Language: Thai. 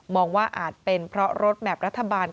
ว่าอาจเป็นเพราะรถแมพรัฐบาล